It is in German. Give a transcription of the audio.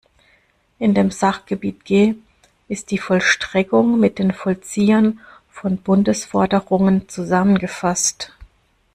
In dem Sachgebiet G ist die Vollstreckung mit den Vollziehern von Bundesforderungen zusammengefasst.